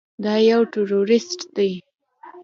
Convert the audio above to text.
دا يو ټروريست دى.